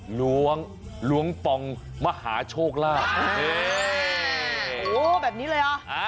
หลวงหลวงปองมหาโชคลาโอ้โหแบบนี้เลยอ่ะ